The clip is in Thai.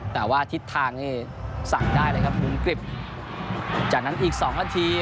แต่ว่าทิศทางนี่สั่งได้เลยครับมุมกริบจากนั้นอีกสองนาที